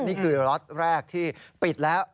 นี่คือล็อตแรกที่ปิดแล้ว